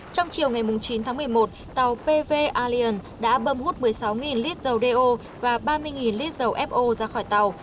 trong chiều ngày chín tháng một mươi một tàu pv allian đã bâm hút một mươi sáu lít dầu đeo và ba mươi lít dầu fo ra khỏi tàu